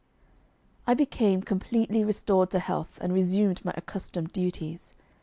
I became completely restored to health and resumed my accustomed duties.